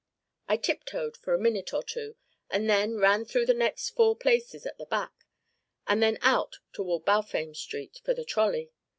I tiptoed for a minute or two and then ran through the next four places at the back, and then out toward Balfame Street, for the trolley.